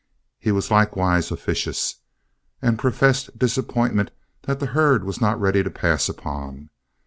He was likewise officious, and professed disappointment that the herd was not ready to pass upon.